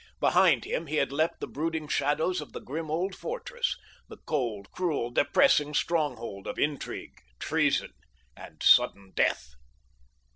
Behind him he had left the brooding shadows of the grim old fortress—the cold, cruel, depressing stronghold of intrigue, treason, and sudden death.